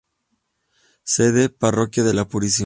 Sede: Parroquia de la Purísima.